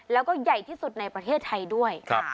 แล้วก็ใหญ่ที่สุดในประเทศไทยด้วย